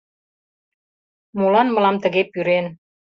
Молан мылам тыге пӱрен?»